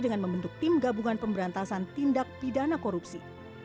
dengan membentuk tim gabungan pemberantasan tindak pidana korupsi